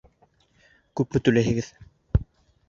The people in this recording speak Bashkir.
Күпме түләйһегеҙ?